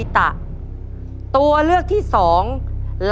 ตัวเลือกที่สอง๘คน